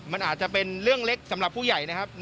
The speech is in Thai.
มันอาจจะเป็นเรื่องเล็กสำหรับผู้ใหญ่นะครับ